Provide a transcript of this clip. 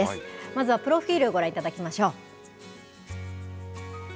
まずはプロフィールをご覧いただきましょう。